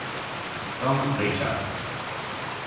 Tom Richards